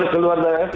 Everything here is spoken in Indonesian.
keluar dari aff